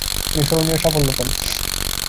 তিনি স্মরণীয় সাফল্য পান।